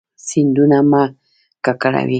سیندونه مه ککړوئ